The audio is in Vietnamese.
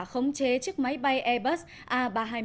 khống chế chiếc máy bay airbus a ba trăm hai mươi